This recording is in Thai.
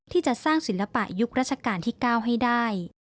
ที่จะสร้างศิลปะยุครัชกาลที่๙ให้ได้